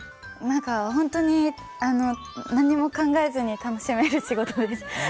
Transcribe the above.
本当に、何も考えずに楽しめる仕事です。